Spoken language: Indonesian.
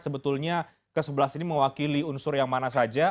sebetulnya ke sebelas ini mewakili unsur yang mana saja